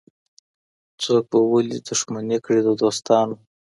څوک به ولي دښمني کړي د دوستانو